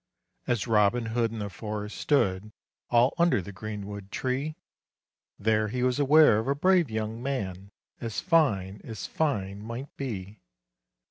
As Robin Hood in the forest stood, All under the greenwood tree, There he was aware of a brave young man, As fine as fine might be.